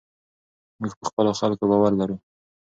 موږ په خپلو خلکو باور لرو.